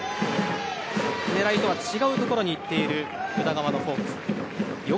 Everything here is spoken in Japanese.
狙いとは違うところにいっている宇田川のフォーク。